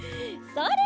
それ！